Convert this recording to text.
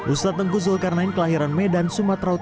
ustadz tengku zulkarnain disolatkan di halaman rumah sakit